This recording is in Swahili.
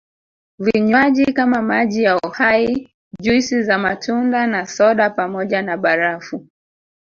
Vinywaji kama maji ya Uhai juisi za matunda na soda pamoja na barafu